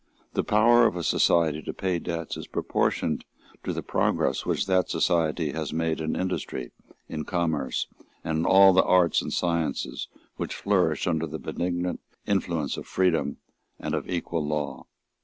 The power of a society to pay debts is proportioned to the progress which that society has made in industry, in commerce, and in all the arts and sciences which flourish under the benignant influence of freedom and of equal law.